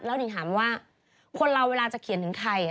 หนิ่งถามว่าคนเราเวลาจะเขียนถึงใคร